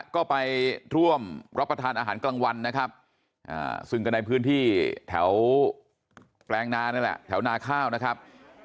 ก็ไปร่วมรับประทานอาหารกลางวันนะครับซึ่งก็ในพื้นที่แถวแปลงนานั่นแหละแถวนาข้าวนะครับ